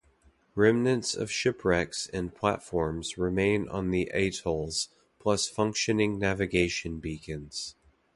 Remnants of shipwrecks and platforms remain on the atolls, plus functioning navigation beacons.